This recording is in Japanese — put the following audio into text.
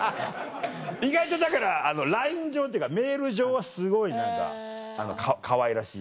意外とだからＬＩＮＥ上というかメール上はすごい何かかわいらしい。